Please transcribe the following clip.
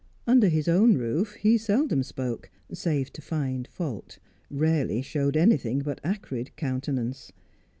Under his own roof he seldom spoke save to find fault, rarely showed anything but acrid countenance.